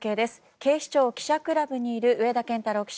警視庁記者クラブにいる上田健太郎記者。